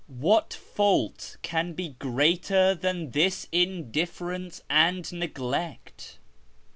What fault can be greater than this indifference and neglect